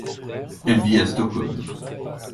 Elle vit à Stockholm.